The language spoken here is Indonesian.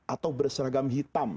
atau berseragam hitam